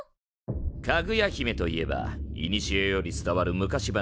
「かぐや姫」といえばいにしえより伝わる昔話。